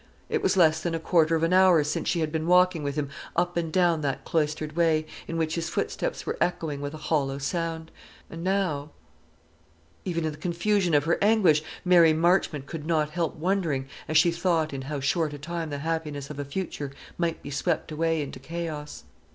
It was less than a quarter of an hour since she had been walking with him up and down that cloistered way, in which his footsteps were echoing with a hollow sound; and now . Even in the confusion of her anguish, Mary Marchmont could not help wondering, as she thought in how short a time the happiness of a future might be swept away into chaos.